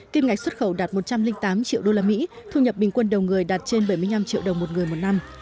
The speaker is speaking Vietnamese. kim ngạch xuất khẩu đạt một trăm linh tám triệu usd thu nhập bình quân đầu người đạt trên bảy mươi năm triệu đồng một người một năm